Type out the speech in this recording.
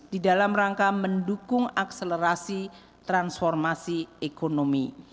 di dalam rangka mendukung akselerasi transformasi ekonomi